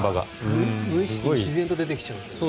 無意識に自然と出てきちゃうんですか。